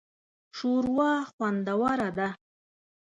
شوروا خوندوره ده